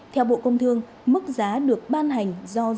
theo bộ công thương mức giá được ban hành do giá thế giới giảm